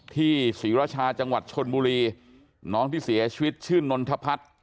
ศรีราชาจังหวัดชนบุรีน้องที่เสียชีวิตชื่อนนทพัฒน์